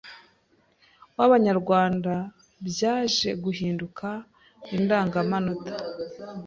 w’Abanyarwanda byaje guhinduka indangamanota